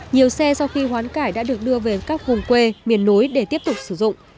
nhiều xe sau khi hoán cải đã được đưa về các vùng quê miền núi để tiếp tục sử dụng